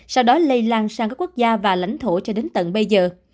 sau đó lây lan sang các quốc gia và lãnh thổ cho đến tận bây giờ